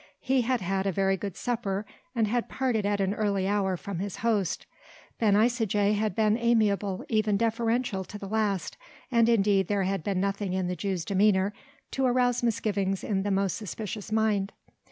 He had had a very good supper and had parted at an early hour from his host. Ben Isaje had been amiable even deferential to the last, and indeed there had been nothing in the Jew's demeanour to arouse misgivings in the most suspicious mind.